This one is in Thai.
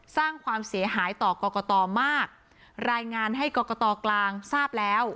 สร้างความเสียหายต่อกรกตมากรายงานให้กรกตกลางทราบแล้ว